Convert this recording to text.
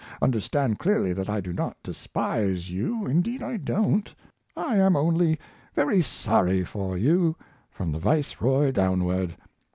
Understand clearly that I do not despise you; indeed, I don't. I am only very sorry for you, from the Viceroy downward.